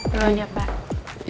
perlu aja pak